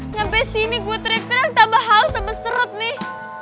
sampai sini gua teriak teriak tambah haus sama surti nih